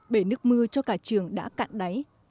bể nước mưa cho cả trường đã cạn đáy